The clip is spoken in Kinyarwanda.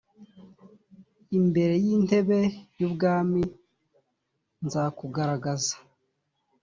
imbere y’intebe y’ubwami nzakugaragaza